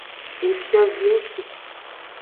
Efiovingsu.